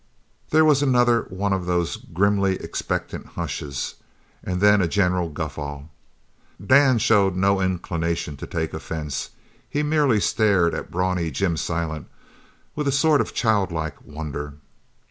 There was another one of those grimly expectant hushes and then a general guffaw; Dan showed no inclination to take offence. He merely stared at brawny Jim Silent with a sort of childlike wonder.